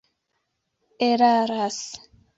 eraras